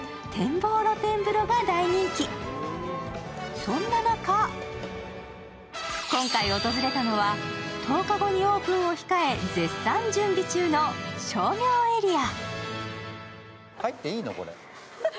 そんな中今回訪れたのは１０日後にオープンを控え絶賛準備中の商業エリア。